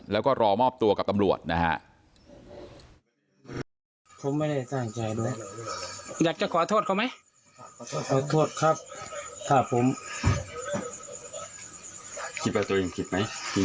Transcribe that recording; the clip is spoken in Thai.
แล้วก็รอมอบตัวกับตำรวจนะฮะ